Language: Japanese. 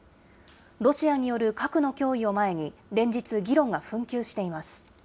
ロシアによる核の脅威を前に、連日、議論が紛糾しています。